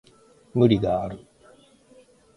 無理がある